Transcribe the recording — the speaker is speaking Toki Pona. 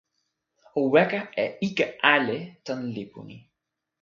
o weka e ike ale tan lipu ni.